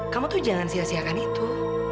kamu tuh jangan sia siakan itu